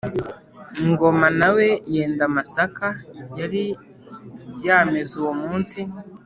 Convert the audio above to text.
Ngoma na we yenda amasaka yari yameze uwo munsi,